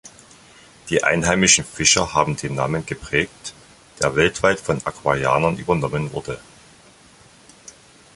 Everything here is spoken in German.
Die einheimischen Fischer haben den Namen geprägt, der weltweit von Aquarianern übernommen wurde.